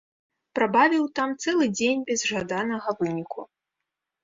Прабавіў там цэлы дзень без жаданага выніку.